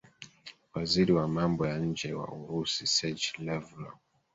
waziri wa mambo ya nje wa urusi sage lavlor